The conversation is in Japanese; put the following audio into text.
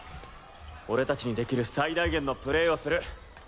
俺達にできる最大限のプレーをする。